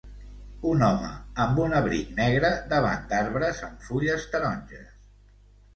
Un home amb un abric negre davant d'arbres amb fulles taronges.